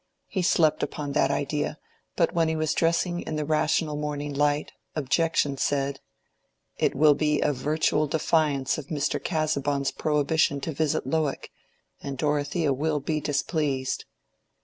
He slept upon that idea, but when he was dressing in the rational morning light, Objection said— "That will be a virtual defiance of Mr. Casaubon's prohibition to visit Lowick, and Dorothea will be displeased."